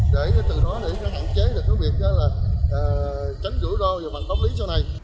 để từ đó để đảm chế được cái việc đó là tránh rủi ro và bằng tóc lý sau này